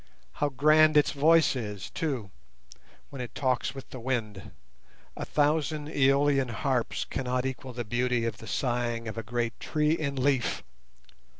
How grand its voice is, too, when it talks with the wind: a thousand aeolian harps cannot equal the beauty of the sighing of a great tree in leaf.